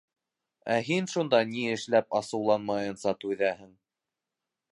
Ә һин шунда ни эшләп асыуланмайынса түҙәһең?